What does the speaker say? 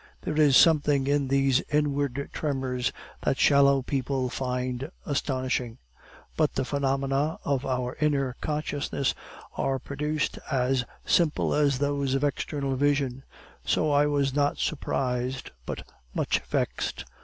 There is something in these inward tremors that shallow people find astonishing, but the phenomena of our inner consciousness are produced as simple as those of external vision; so I was not surprised, but much vexed.